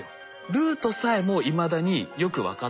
ルートさえもいまだによく分かってなくて。